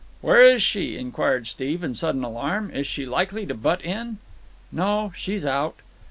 "Where is she?" inquired Steve in sudden alarm. "Is she likely to butt in?" "No. She's out."